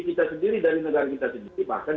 kita sendiri dari negara kita sendiri bahkan